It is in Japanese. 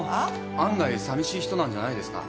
案外さみしい人なんじゃないですか？